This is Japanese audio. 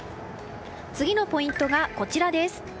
次のポイントがこちらです。